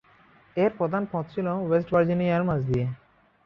এর প্রধান পথ ছিল ওয়েস্ট ভার্জিনিয়ার মাঝ দিয়ে।